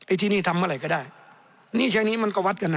ไอ้ที่นี่ทำอะไรก็ได้นี่แช่งนี้มันก็วัดกันนะ